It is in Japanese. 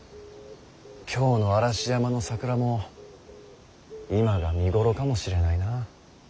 京の嵐山の桜も今が見頃かもしれないな。